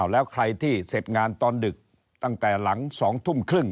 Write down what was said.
แล้วใครที่เสร็จงานตอนดึกตั้งแต่หลัง๒ทุ่มครึ่ง